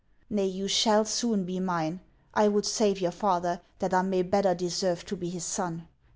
Nay, you shall soon be mine ; I would save your father, that I may better deserve to be his son.